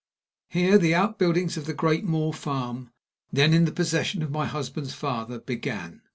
Here the outbuildings of the great Moor Farm, then in the possession of my husband's father, began.